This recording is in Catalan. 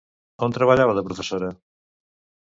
On treballava de professora?